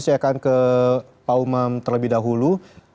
saya akan ke pak umam terlebih dahulu